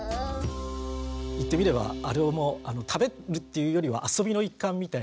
言ってみればあれも食べるっていうよりは遊びの一環みたいに思えましたね。